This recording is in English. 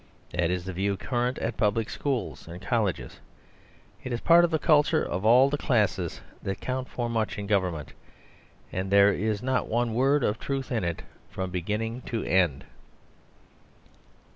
That is the view current at public schools and colleges; it is part of the culture of all the classes that count for much in government; and there is not one word of truth in it from beginning to end.